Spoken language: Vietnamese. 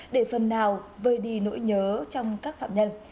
để phần nào vơi đi nỗi nhớ trong các phạm nhân